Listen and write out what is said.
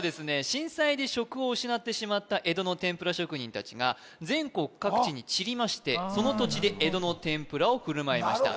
震災で職を失ってしまった江戸の天ぷら職人達が全国各地に散りましてその土地で江戸の天ぷらをふるまいました